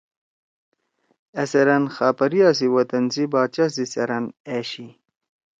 أ سیرأن خاپریا سی وطن سی باچا سی سیرأن أشی۔